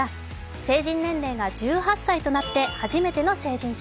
成人年齢が１８歳となって初めての成人式。